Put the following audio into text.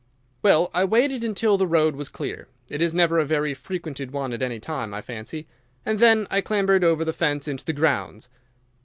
"Well, I waited until the road was clear—it is never a very frequented one at any time, I fancy—and then I clambered over the fence into the grounds."